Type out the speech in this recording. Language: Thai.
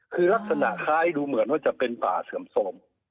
คือลักษณะคล้ายดูเหมือนว่าจะเป็นป่าเสื่อมโทรม